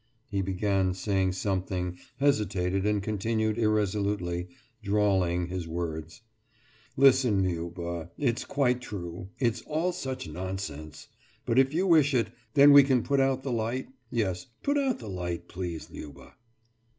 « He began saying something, hesitated and continued irresolutely, drawling his words. »Listen, Liuba.... It's quite true! ... It's all such nonsense! But, if you wish it, then we can put out the light? Yes, put out the light, please, Liuba.